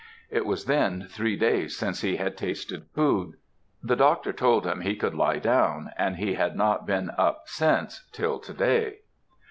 It was then three days since he had tasted food. The doctor told him he could lie down, and he had not been up since till to day.